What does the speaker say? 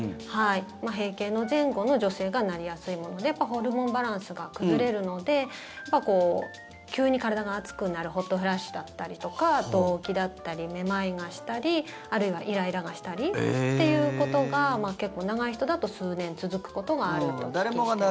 閉経の前後の女性がなりやすいものでホルモンバランスが崩れるので急に体が熱くなるホットフラッシュだったりとか動悸だったりめまいがしたりあるいはイライラがしたりっていうことが結構、長い人だと数年続くことがあるとお聞きしたんですね。